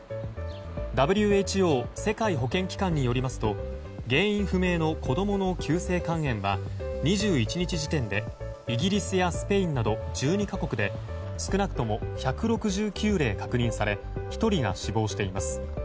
ＷＨＯ・世界保健機関によりますと原因不明の子供の急性肝炎は２１日時点でイギリスやスペインンなど１２か国で少なくとも１６９例確認され１人が死亡しています。